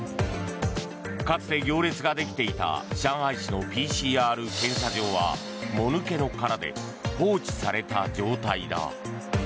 かつて行列ができていた上海市のＰＣＲ検査場はもぬけの殻で放置された状態だ。